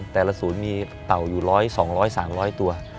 แต่ละศูนย์มีเต่าอยู่๑๐๐๒๐๐๓๐๐ตัว